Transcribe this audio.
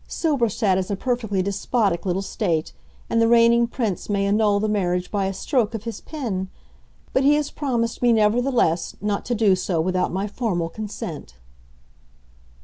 Silberstadt is a perfectly despotic little state, and the Reigning Prince may annul the marriage by a stroke of his pen. But he has promised me, nevertheless, not to do so without my formal consent."